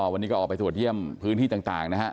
วันนี้ก็ออกไปตรวจเยี่ยมพื้นที่ต่างนะฮะ